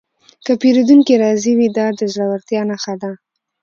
که پیرودونکی راضي وي، دا د زړورتیا نښه ده.